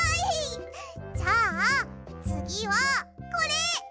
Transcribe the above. じゃあつぎはこれ！